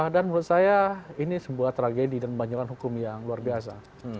dan menurut saya ini sebuah tragedi dan banyolan hukum yang luar biasa